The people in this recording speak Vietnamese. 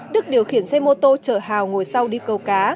đức điều khiển xe mô tô chở hào ngồi sau đi câu cá